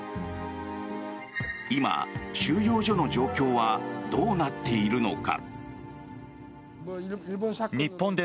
今、収容所の状況はどうなっているのか。